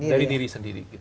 dari diri sendiri